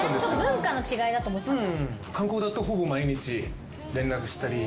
文化の違いと思ってたんだ。